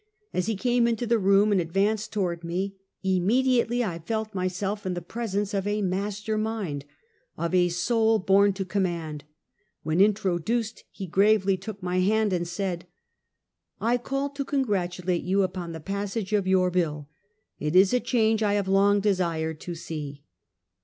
As he came into the room and advanced toward me, immediately I felt mj^self in the presence of a master mind, of a soul born to command. When introduced he gravely took my hand, and. said: " I called to congratulate you upon the passage of your bill. It is a change I have long desired to see."